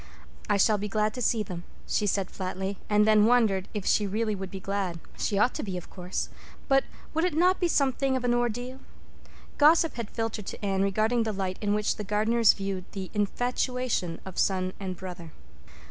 "I shall be glad to see them," she said flatly; and then wondered if she really would be glad. She ought to be, of course. But would it not be something of an ordeal? Gossip had filtered to Anne regarding the light in which the Gardners viewed the "infatuation" of son and brother.